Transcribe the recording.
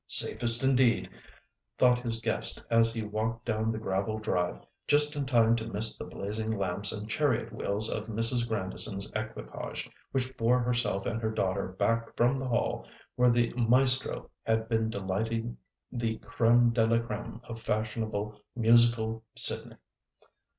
"Safest indeed," thought his guest as he walked down the gravel drive, just in time to miss the blazing lamps and chariot wheels of Mrs. Grandison's equipage, which bore herself and her daughter back from the hall where the maestro had been delighting the crême de la crême of fashionable musical Sydney.